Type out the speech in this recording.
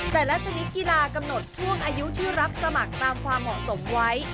แต่ละชนิดกีฬากำหนดช่วงอายุที่รับสมัครตามความเหมาะสมไว้